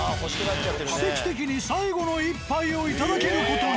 奇跡的に最後の一杯をいただける事に。